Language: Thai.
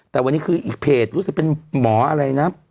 แต่วันนี้คืออีกเพจรู้สึกเป็นหมออะไรนะ